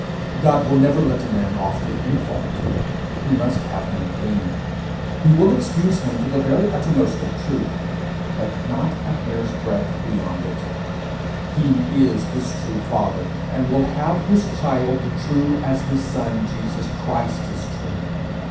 God will never let a man off with any fault. He must have him clean. He will excuse him to the very uttermost of truth, but not a hair's breadth beyond it; he is his true father, and will have his child true as his son Jesus Christ is true.